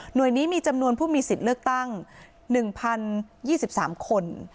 โดยนี้มีจำนวนผู้มีสิทธิ์เลือกตั้ง๑๐๒๓คน